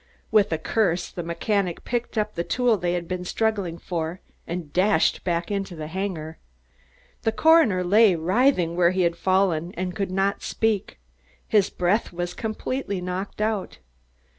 With a curse, the mechanic picked up the tool they had been struggling for and dashed back into the hangar. The coroner lay writhing where he had fallen, and could not speak. His breath was completely knocked out.